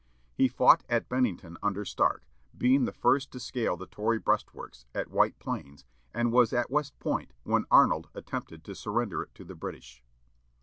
He fought at Bennington under Stark, being the first to scale the Tory breastworks, at White Plains, and was at West Point when Arnold attempted to surrender it to the British.